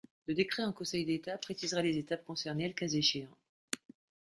Le décret en Conseil d’État précisera les étapes concernées le cas échéant.